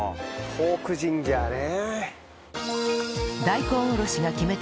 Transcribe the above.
ポークジンジャーね。